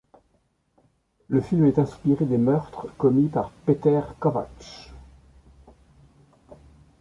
Le film est inspiré des meurtres commis par Péter Kovács.